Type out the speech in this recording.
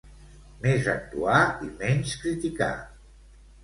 Més actuar i menys criticar